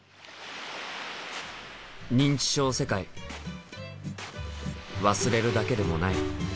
認知症世界忘れるだけでもない。